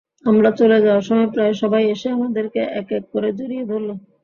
আমরা চলে যাওয়ার সময় প্রায় সবাই এসে আমাদেরকে এক এক করে জড়িয়ে ধরল।